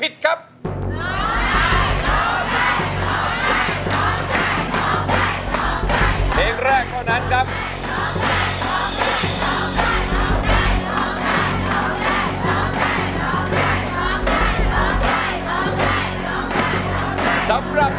ได้ครับ